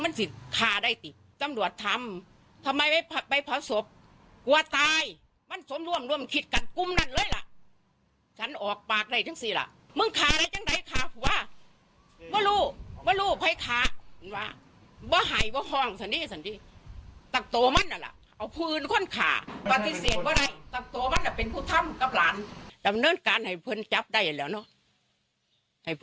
ว่าไม่รู้ไม่รู้ไพ่ขาวันนี้แหว่ะ